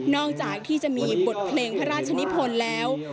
อกจากที่จะมีบทเพลงพระราชนิพลแล้ว